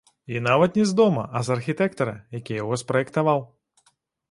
І нават не з дома, а з архітэктара, які яго спраектаваў.